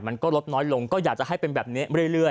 มันก็ลดน้อยลงก็อยากจะให้เป็นแบบนี้เรื่อย